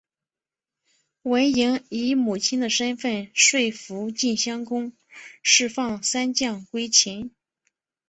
文嬴以母亲的身分说服晋襄公释放三将归秦。